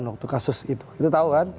waktu kasus itu kita tahu kan